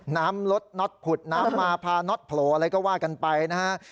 น้ำลดน็อตผุดน้ำมาพาน็อตโผล่อะไรก็ว่ากันไปนะฮะ